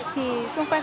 thì xung quanh